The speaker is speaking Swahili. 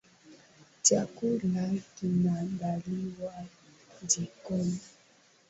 Chakula kinaandaliwa jikoni.